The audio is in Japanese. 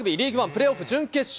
プレーオフ準決勝。